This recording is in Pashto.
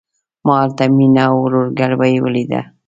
ما هلته مينه او ورور ګلوي وليده.